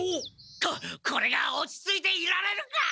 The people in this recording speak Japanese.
ここれが落ち着いていられるか！